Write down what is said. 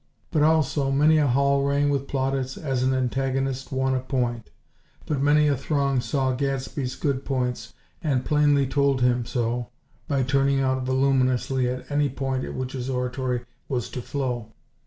But, also, many a hall rang with plaudits as an antagonist won a point; but many a throng saw Gadsby's good points, and plainly told him so by turning out voluminously at any point at which his oratory was to flow.